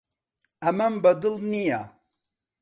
ئەمەم بەدڵ نییە.